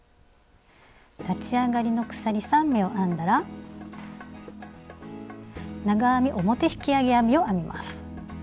立ち上がりの鎖３目を編んだら「長編み表引き上げ編み」を編みます。